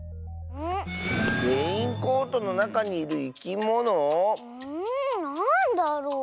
レインコートのなかにいるいきもの？んなんだろう？